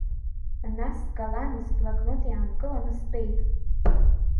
Нас скалами сблокноти аанкыланы стәеит.